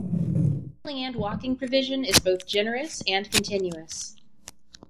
The cycling and walking provision is both generous and continuous.